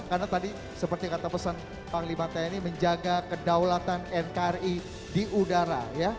karena tadi seperti kata pesan panglima tni menjaga kedaulatan nkri di udara ya